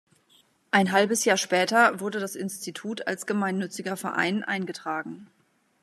Ein halbes Jahr später wurde das Institut als gemeinnütziger Verein eingetragen.